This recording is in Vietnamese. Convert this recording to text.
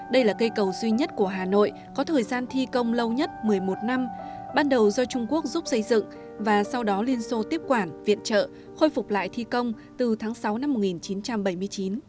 đây là cây cầu duy nhất của hà nội có thời gian thi công lâu nhất một mươi một năm ban đầu do trung quốc giúp xây dựng và sau đó liên xô tiếp quản viện trợ khôi phục lại thi công từ tháng sáu năm một nghìn chín trăm bảy mươi chín